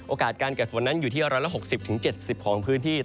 การเกิดฝนนั้นอยู่ที่๑๖๐๗๐ของพื้นที่